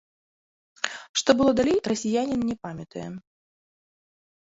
Што было далей, расіянін не памятае.